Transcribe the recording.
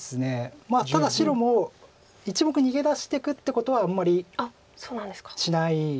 ただ白も１目逃げ出していくっていうことはあんまりしない。